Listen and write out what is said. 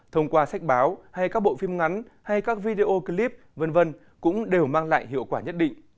thông qua sách báo hay các bộ phim ngắn hay các video clip v v cũng đều mang lại hiệu quả nhất định